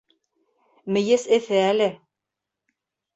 Мейес эҫе әле.